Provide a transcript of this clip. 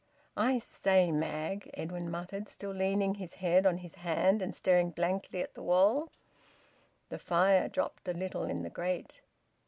"I say, Mag," Edwin muttered, still leaning his head on his hand, and staring blankly at the wall. The fire dropped a little in the grate.